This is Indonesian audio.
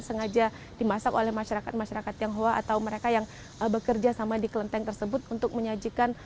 sengaja dimasak oleh masyarakat masyarakat tionghoa atau mereka yang bekerja sama di kelenteng tersebut untuk menyajikan